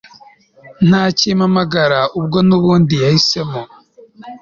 ntakimpamagara ubwo nubundi yahisemo